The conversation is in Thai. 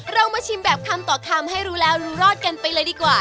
เรามาชิมแบบคำต่อคำให้รู้แล้วรู้รอดกันไปเลยดีกว่า